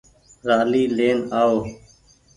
رآلي لين آئو۔